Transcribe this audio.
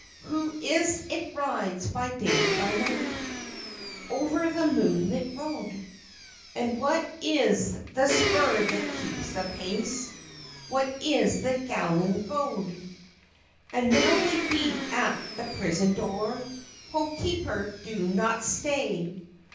Who is it rides by night, by night, Over the moonlit road? And what is the spur that keeps the pace, What is the galling goad? And now they beat at the prison door, "Ho, keeper, do not stay!